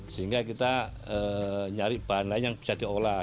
sehingga kita nyari bahan lain yang bisa diolah